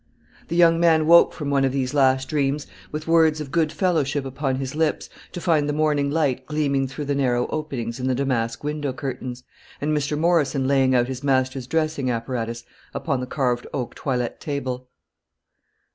The young man woke from one of these last dreams, with words of good fellowship upon his lips, to find the morning light gleaming through the narrow openings in the damask window curtains, and Mr. Morrison laying out his master's dressing apparatus upon the carved oak toilette table.